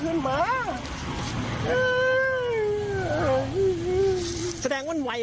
เมื่อกี้มันกลับมาทิ้งใจไหวมันแล้ว